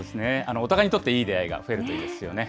お互いにとっていい出会いが増えるといいですよね。